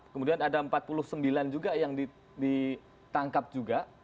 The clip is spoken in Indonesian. kemudian ada empat puluh sembilan juga yang ditangkap juga